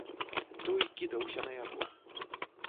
Той кідаўся на яго.